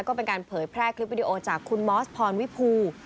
ก็เป็นการเผยแพร่คลิปวิดีโอจากคุณมอสพรวิภู